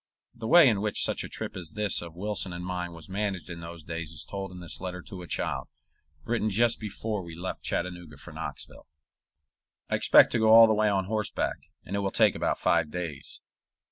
The way in which such a trip as this of Wilson and mine was managed in those days is told in this letter to a child, written just before we left Chattanooga for Knoxville: I expect to go all the way on horseback, and it will take about five days.